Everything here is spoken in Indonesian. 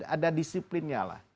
ada disiplinnya lah